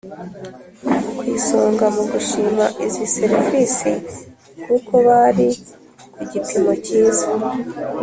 ku isonga mu gushima izi serivisi kuko bari ku gipimo cyiza